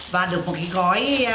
và được một cái gói